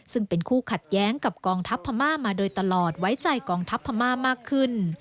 ซึ่งเป็นคู่ขัดแย้งกับกองทัพพม่ามาโดยตลอดไว้ใจกองทัพพม่ามากขึ้น